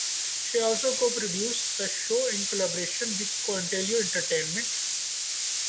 She also co-produced the show in collaboration with Contiloe Entertainment.